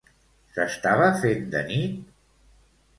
S'estava fent de nit?